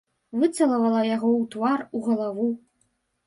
Выцалавала яго ў твар, у галаву.